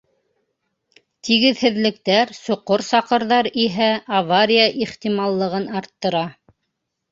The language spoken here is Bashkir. Тигеҙһеҙлектәр, соҡор-саҡырҙар иһә авария ихтималлығын арттыра...